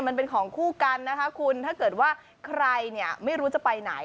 มันเป็นของคู่กันนะคะคุณถ้าเกิดว่าใครเนี่ยไม่รู้จะไปไหน